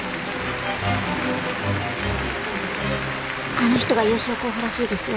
あの人が優勝候補らしいですよ。